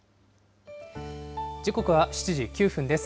時刻は７時９分です。